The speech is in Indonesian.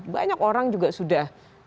banyak orang juga sudah